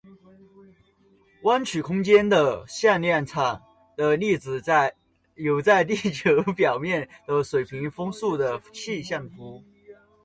弯曲空间的向量场的例子有在地球表面的水平风速的气象图。